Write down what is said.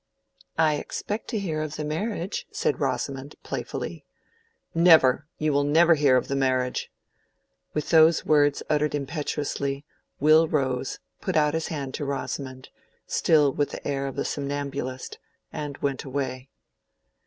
"I expect to hear of the marriage," said Rosamond, playfully. "Never! You will never hear of the marriage!" With those words uttered impetuously, Will rose, put out his hand to Rosamond, still with the air of a somnambulist, and went away.